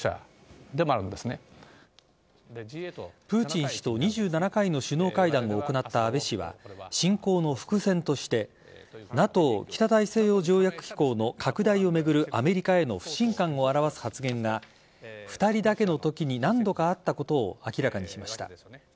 プーチン氏と２７回の首脳会談を行った安倍氏は侵攻の伏線としてＮＡＴＯ＝北大西洋条約機構の拡大を巡るアメリカへの不信感を表す発言が２人だけのときに何度かあったことを明らかにしました。